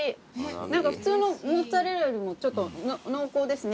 何か普通のモッツァレラよりもちょっと濃厚ですね。